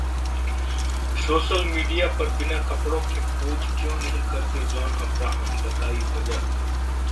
Social media पर बिना कपड़ों के पोज क्यों नहीं करते जॉन अब्राहम? बताई वजह